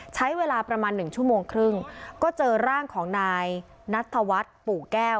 ใช้เวลาประมาณหนึ่งชั่วโมงครึ่งก็เจอร่างของนายนัทธวัฒน์ปู่แก้ว